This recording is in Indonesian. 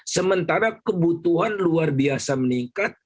sementara kebutuhan luar biasa meningkat